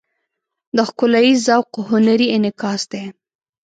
د ښکلاییز ذوق هنري انعکاس دی.